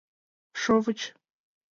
Шовыч.